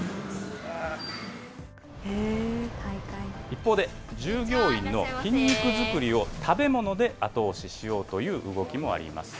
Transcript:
一方で、従業員の筋肉作りを食べ物で後押ししようという動きもあります。